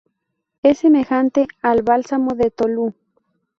Es semejante al bálsamo de Tolú.